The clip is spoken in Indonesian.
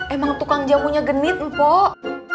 emang tukang jamunya genit mpok